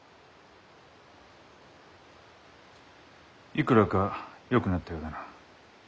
いくらかよくなったようだな。